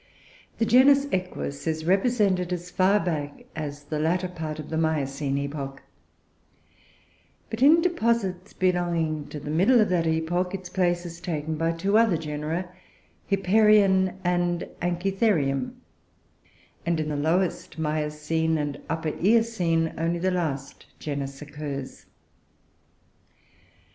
The genus Equus is represented as far back as the latter part of the Miocene epoch; but in deposits belonging to the middle of that epoch its place is taken by two other genera, Hipparion and Anchitherium; and, in the lowest Miocene and upper Eocene, only the last genus occurs.